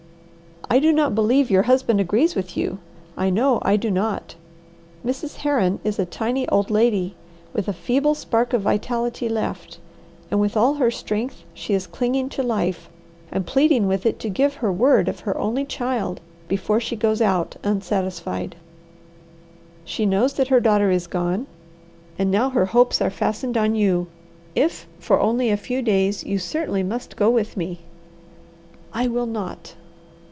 "I do not believe your husband agrees with you. I know I do not. Mrs. Herron is a tiny old lady, with a feeble spark of vitality left; and with all her strength she is clinging to life, and pleading with it to give her word of her only child before she goes out unsatisfied. She knows that her daughter is gone, and now her hopes are fastened on you. If for only a few days, you certainly must go with me." "I will not!"